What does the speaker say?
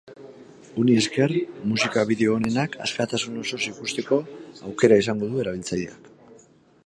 Honi esker, musika bideo onenak askatasun osoz ikusteko aukera izango du erabiltzaileak.